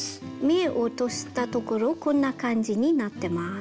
目落としたところこんな感じになってます。